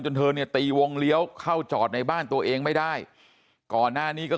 เธอเนี่ยตีวงเลี้ยวเข้าจอดในบ้านตัวเองไม่ได้ก่อนหน้านี้ก็